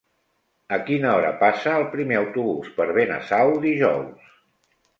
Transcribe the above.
A quina hora passa el primer autobús per Benasau dijous?